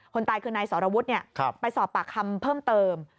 ตายคือนายสรวุฒิไปสอบปากคำเพิ่มเติม